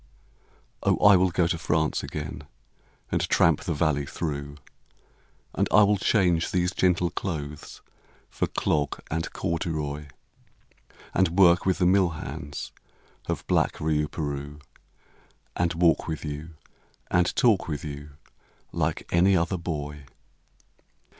Oh I will go to France again, and tramp the valley through, And I will change these gentle clothes for clog and corduroy, And work with the mill hands of black Riouperoux, And walk with you, and talk with you, like any other boy.